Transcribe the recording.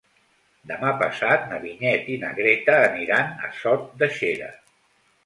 Demà passat na Vinyet i na Greta aniran a Sot de Xera.